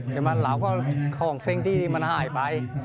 แต่มาเหล่าก็คลองซิ่งที่มันหายไป